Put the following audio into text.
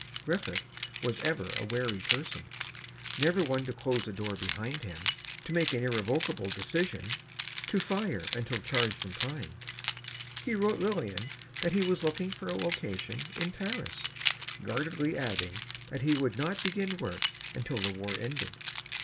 Griffith was ever a wary person. Never one to close a door behind him ... to make an irrevocable decision, to fire until charged and primed. He wrote Lillian that he was looking for a location in Paris, guardedly adding that he would not begin work until the war ended.